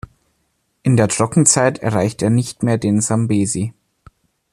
In der Trockenzeit erreicht er nicht mehr den Sambesi.